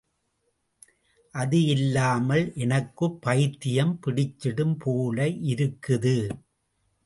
அது இல்லாமல் எனக்குப்பைத்தியம் பிடிச்சிடும் போல இருக்குது.